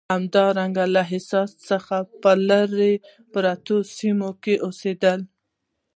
همدارنګه له ساحل څخه په لرې پرتو سیمو کې اوسېدل.